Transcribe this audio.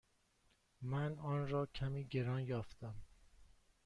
من آن را کمی گران یافتم.